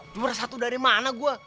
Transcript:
cuma satu dari mana gue